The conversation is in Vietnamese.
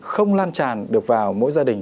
không lan tràn được vào mỗi gia đình